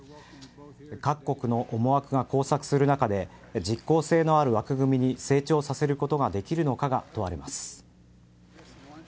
各国の思惑が交錯する中で実効性のある枠組みに成長させることができるのかが問われます。